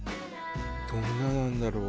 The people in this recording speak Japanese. どんななんだろう。